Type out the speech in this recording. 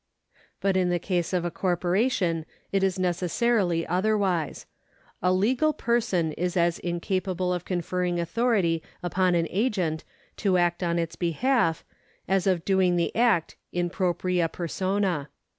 But in the case of a corporation it is necessarily otherwise. A legal person is as incapable of conferring authority upon an agent to act on its behalf, as of doing the act in ijropria 'persona.